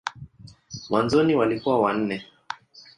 Mwanzoni walikuwa wanne.